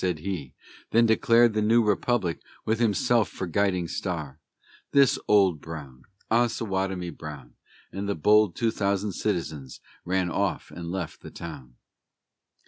said he, Then declared the new Republic, with himself for guiding star, This Old Brown, Osawatomie Brown; And the bold two thousand citizens ran off and left the town.